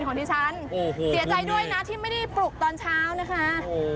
ของดิฉันเสียใจด้วยนะที่ไม่ได้ปลุกตอนเช้านะคะ